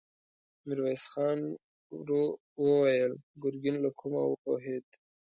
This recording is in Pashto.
ميرويس خان ورو وويل: ګرګين له کومه وپوهېد؟